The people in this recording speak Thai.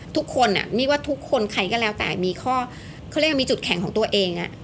ทุกคนไม่ว่าทุกคนใครก็แล้วแต่มีข้อเขาเรียกว่ามีจุดแข็งของตัวเอง